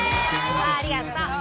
ありがとう